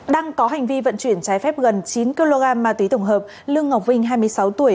đang có hành vi vận chuyển trái phép gần chín kg ma túy tổng hợp lương ngọc vinh hai mươi sáu tuổi